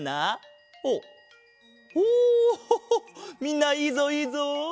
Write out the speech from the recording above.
みんないいぞいいぞ！